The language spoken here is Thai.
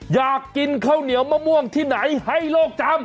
อยากกินข้าวเหนียวมะม่วงที่ไหนให้โลกจำ